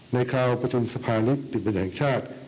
ในค่าประชุมสภานิดอิมัยแห่งชาติ